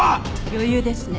余裕ですね。